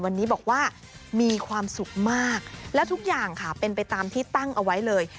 วันนี้บอกว่ามีความสุขมากแล้วทุกอย่างค่ะเป็นไปตามที่ตั้งเอาไว้เลย